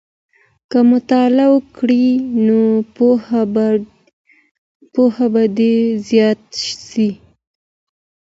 که مطالعه وکړې نو پوهه به دې زیاته سي.